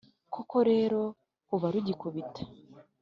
koko rero, kuva rugikubita